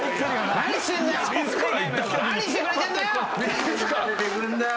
何してくれてんだよ！